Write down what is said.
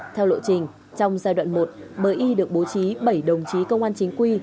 theo lộ trình trong giai đoạn một y được bố trí bảy đồng chí công an chính quy